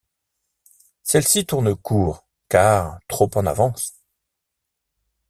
Celle-ci tourne court, car trop en avance.